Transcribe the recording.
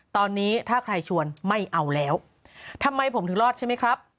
ตอนนี้ถ้าใครชวนไม่เอาแล้วทำไมผมถึงรอดใช่ไหมครับ